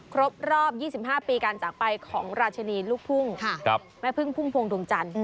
ครบรอบ๒๕ปีการจากไปของราชินีลูกทุ่งแม่พึ่งพุ่มพวงดวงจันทร์